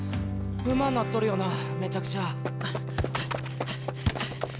うまぁなっとるよなめちゃくちゃ。